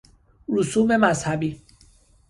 رسوم مذهبی